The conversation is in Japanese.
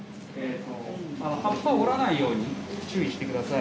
葉っぱを折らないように注意してください。